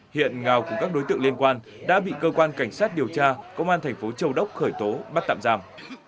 hiện ngào cùng các đối tượng liên quan đã bị cơ quan cảnh sát điều tra công an thành phố châu đốc khởi tố bắt tạm giam